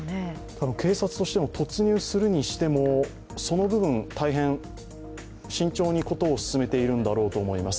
たぶん、警察としても突入するにしてもその部分、大変慎重に事を進めているんだろうと思います。